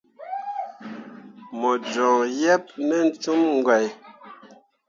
Mo joŋ yeb nen cum gǝǝai.